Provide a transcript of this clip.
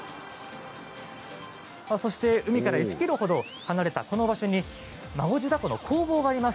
そして海から１ｋｍほど離れたところに孫次凧の工房があります。